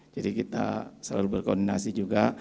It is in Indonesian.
jadi kita selalu berkoordinasi juga